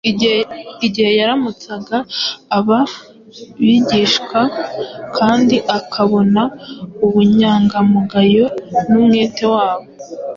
Igihe yaramutsaga aba bigishwa kandi akabona ubunyangamugayo n’umwete byabo;